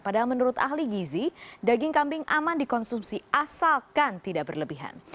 padahal menurut ahli gizi daging kambing aman dikonsumsi asalkan tidak berlebihan